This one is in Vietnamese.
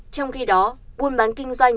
trong khi đó buôn bán kinh doanh